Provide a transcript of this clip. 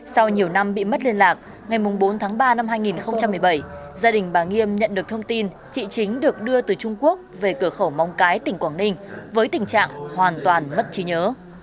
sau nhiều năm bị mất liên lạc ngày bốn tháng ba năm hai nghìn một mươi bảy gia đình bà nghiêm nhận được thông tin chị chính được đưa từ trung quốc về cửa khẩu móng cái tỉnh quảng ninh với tình trạng hoàn toàn mất trí nhớ